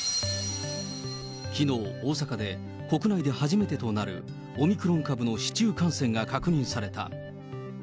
きのう、大阪で国内で初めてとなるオミクロン株の市中感染が確認された。